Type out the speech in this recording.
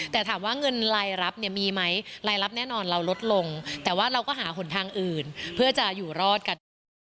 แต่ถามว่าเงินรายรับเนี่ยมีไหมรายรับแน่นอนเราลดลงแต่ว่าเราก็หาหนทางอื่นเพื่อจะอยู่รอดกันนะคะ